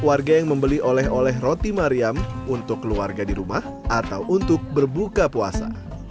warga yang membeli oleh oleh roti mariam untuk keluarga di rumah atau untuk berbuka puasa